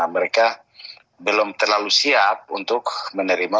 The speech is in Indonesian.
mereka belum terlalu siap untuk menerima